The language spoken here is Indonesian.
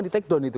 di take down itu